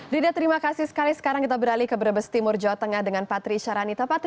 rida terima kasih sekali sekarang kita beralih ke brebes timur jawa tengah dengan patri syaranita